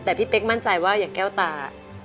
แต่พี่เป๊กมั่นใจว่าอย่างแก้วตา